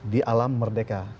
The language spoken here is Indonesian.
di alam merdeka